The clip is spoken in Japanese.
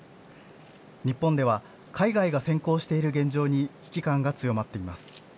日本では海外が先行している現状に危機感が強まっています。